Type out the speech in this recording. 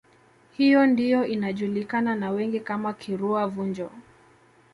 Hiyo ndiyo inajulikana na wengi kama Kirua Vunjo